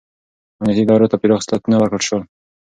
امنیتي ادارو ته پراخ صلاحیتونه ورکړل شول.